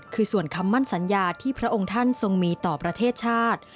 คือส่วนคำมั่นสัญญาที่พระองค์ท่านทรงมีต่อประเทศชาติ